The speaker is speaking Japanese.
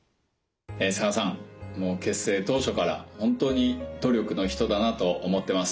佐賀さん結成当初から本当に努力の人だなと思ってます。